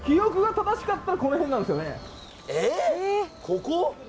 ここ？